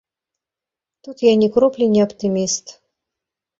Тут я ні кроплі не аптыміст.